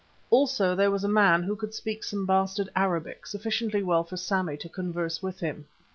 Also there was a man who could speak some bastard Arabic, sufficiently well for Sammy to converse with him.